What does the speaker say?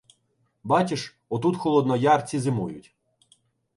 — Бачиш — отут холодноярці зимують.